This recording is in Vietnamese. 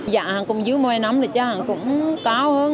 giá cũng dưới một mươi năm rồi chứ hẳn cũng cao hơn